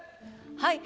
はい。